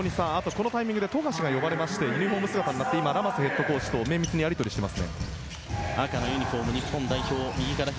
このタイミングで富樫が呼ばれてユニホーム姿になってラマスヘッドコーチと綿密にやり取りしています。